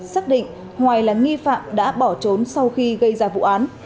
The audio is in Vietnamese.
xác định hoài là nghi phạm đã bỏ trốn sau khi gây ra vụ án